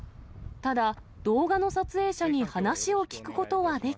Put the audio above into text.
ただ、動画の撮影者に話を聞くことはでき。